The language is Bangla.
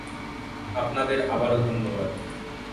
আপনাদের আবারো ধন্যবাদ।